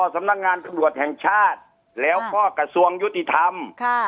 สำนักงานส่วนดวดแห่งชาติแล้วพ่อกระสวงยุติธรรมค่ะ